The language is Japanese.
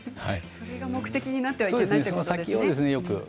それが目的になってはいけないですね。